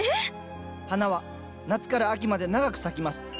花は夏から秋まで長く咲きます。